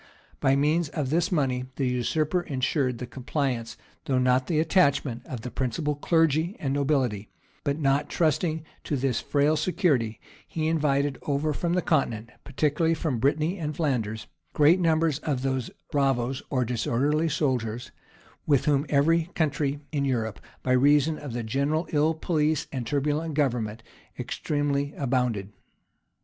By means of this money, the usurper insured the compliance, though not the attachment, of the principal clergy and nobility; but not trusting to this frail security, he invited over from the continent, particularly from Brittany and Flanders, great numbers of those bravoes, or disorderly soldiers, with whom every country in Europe, by reason of the general ill police and turbulent government, extremely abounded.